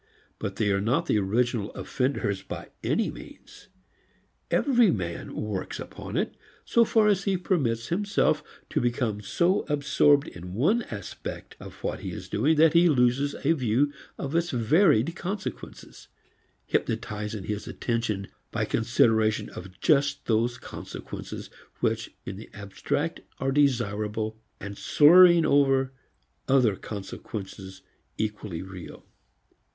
But they are not the original offenders by any means. Every man works upon it so far as he permits himself to become so absorbed in one aspect of what he is doing that he loses a view of its varied consequences, hypnotizing his attention by consideration of just those consequences which in the abstract are desirable and slurring over other consequences equally real.